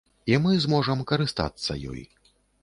І мы зможам карыстацца ёй.